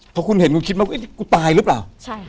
พอคุณเห็นคุณคิดว่ากูตายหรือเปล่า